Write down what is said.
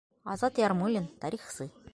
Азат ЯРМУЛЛИН, тарихсы: